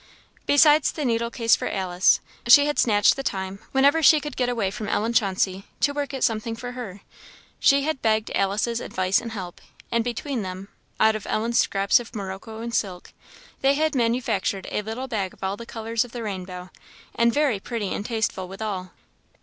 Besides the needlecase for Alice, she had snatched the time, whenever she could get away from Ellen Chauncey, to work at something for her. She had begged Alice's advice and help; and between them, out of Ellen's scraps of morocco and silk, they had manufactured a little bag of all the colours of the rainbow, and very pretty and tasteful withal.